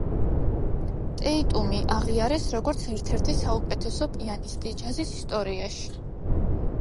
ტეიტუმი აღიარეს, როგორც ერთ-ერთი საუკეთესო პიანისტი ჯაზის ისტორიაში.